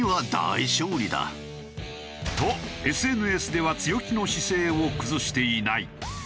とＳＮＳでは強気の姿勢を崩していない。